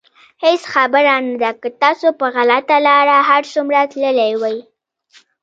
هېڅ خبره نه ده که تاسو په غلطه لاره هر څومره تللي وئ.